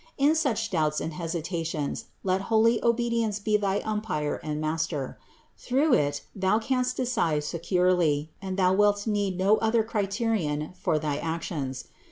In such doubts and hesitations let holy obedience be thy umpire and master ; through it thou canst decide securely, and thou wilt need no other criterion for thy actions.